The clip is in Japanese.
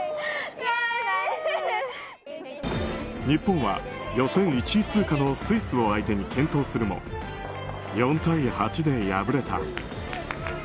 日本は予選１位通過のスイスを相手に健闘するも４対８で敗れた。